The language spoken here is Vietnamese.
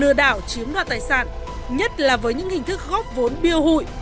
lừa đảo chiếm đoạt tài sản nhất là với những hình thức góp vốn biêu hụi